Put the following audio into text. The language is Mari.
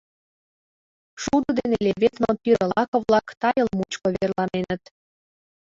Шудо дене леведме пире лаке-влак тайыл мучко верланеныт.